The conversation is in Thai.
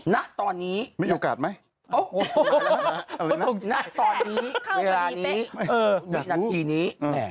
ณตอนนี้นี่น่ะตอนนี้เวลานี้นึกหนักที่นี้